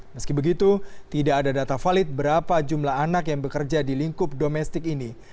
meski begitu tidak ada data valid berapa jumlah anak yang bekerja di lingkup domestik ini